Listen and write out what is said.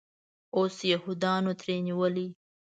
اوس یهودانو ترې نیولی.